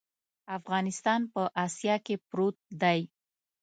افغانستان په اسیا کې پروت دی.